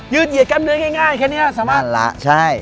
เหยียดกล้ามเนื้อง่ายแค่นี้สามารถละใช่